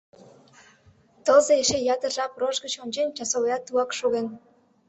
Тылзе эше ятыр жап рож гыч ончен, часовоят тугак шоген.